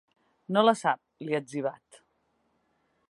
No la sap, li ha etzibat.